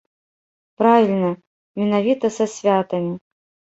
Правільна, менавіта са святамі.